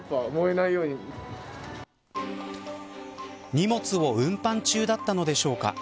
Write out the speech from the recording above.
荷物を運搬中だったのでしょうか。